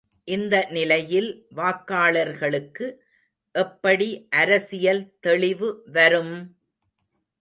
இந்த நிலையில் வாக்காளர்களுக்கு எப்படி அரசியல் தெளிவு வரும்!